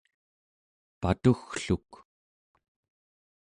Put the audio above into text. patuggluk